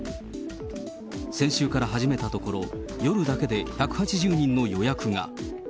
先週から始めたところ、夜だけで１８０人の予約が。